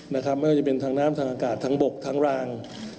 ไม่ว่าจะเป็นทางน้ำทางอากาศทางบกทางราง